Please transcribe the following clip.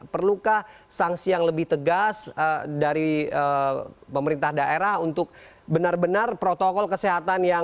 perlukah sanksi yang lebih tegas dari pemerintah daerah untuk benar benar protokol kesehatan yang